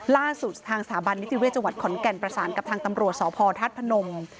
ล่าสุดทางสถาบันนิติเวศจังหวัดขอนแก่นประสานกับทางตำรวจสพธาตุพนม